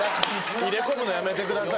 入れ込むのやめてください